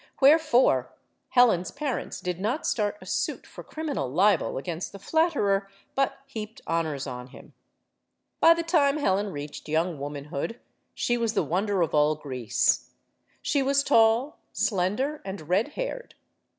Where fore, Helen's parents did not start a suit for criminal Ubel against the flatterer, but heaped honors on him. By the time Helen reached young womanhood, she 64 STORIES OF THE SUPER WOMEN was the wonder of all Greece. She was tall, slender, and red haired.